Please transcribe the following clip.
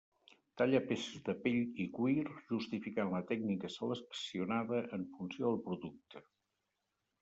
Talla peces de pell i cuir justificant la tècnica seleccionada en funció del producte.